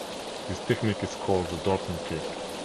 This technique is called the dolphin kick.